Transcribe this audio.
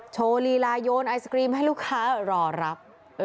โชว์ลีลายนไอศกรีมให้ลูกค้ารอรับ